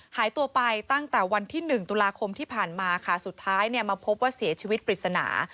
หายตัวไปตั้งแต่วันที่๑ตุลาคมที่ผ่านมาค่ะสุดท้ายเนี่ยมาพบว่าเสียชีวิตปริศนา